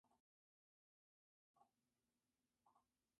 La obra contó con la producción de Fernando Gastón.